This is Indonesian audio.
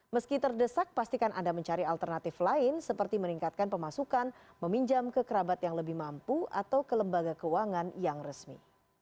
meski terdesak pastikan anda mencari alternatif lain seperti meningkatkan pemasukan meminjam ke kerabat yang lebih mampu atau ke lembaga keuangan yang resmi